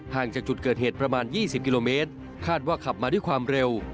จากจุดเกิดเหตุประมาณ๒๐กิโลเมตรคาดว่าขับมาด้วยความเร็ว